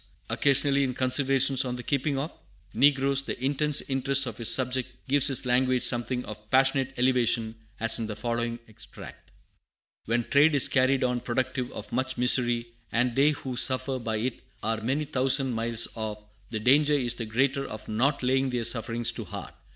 Occasionally, in Considerations on the Keeping of? Negroes, the intense interest of his subject gives his language something of passionate elevation, as in the following extract: "When trade is carried on productive of much misery, and they who suffer by it are many thousand miles off, the danger is the greater of not laying their sufferings to heart.